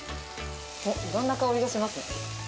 おっ、いろんな香りがしますね。